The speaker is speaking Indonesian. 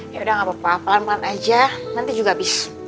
ya udah gak apa apa pelan pelan aja nanti juga habis